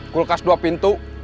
kulkas dua pintu